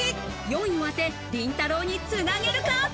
４位を当て、りんたろー。につなげるか？